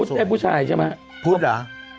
พุจรได้ผู้ชายใช่หรือ